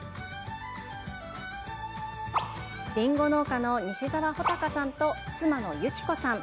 りんご農家の西澤穂孝さんと妻の有希子さん。